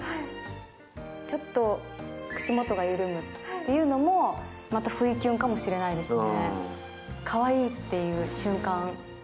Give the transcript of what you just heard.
ちょっと口元が緩むというのもまた不意キュンかもしれないですね。